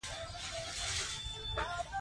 خپله خولۍ ایسته کړه.